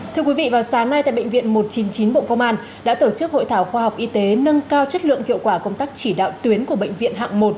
thưa quý vị vào sáng nay tại bệnh viện một trăm chín mươi chín bộ công an đã tổ chức hội thảo khoa học y tế nâng cao chất lượng hiệu quả công tác chỉ đạo tuyến của bệnh viện hạng một